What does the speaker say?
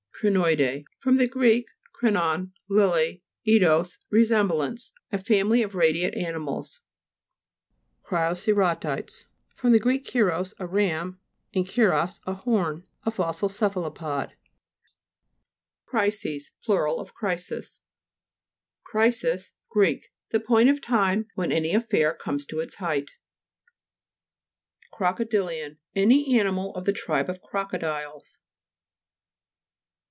CRINOIBEJB fr. gr. krinon, lily, eidos, resemblance. A family of radiate animals. CRIOCE'RATITES fr. gr. krios, a ram, and keras, a horn. A fossil cephalopod (p. 67). CHI'SES Plur. of crisis. CRI'SIS Gr. The point of time when any affair comes to its height. CROCODI'LIAN Any animal of the tribe of crocodiles.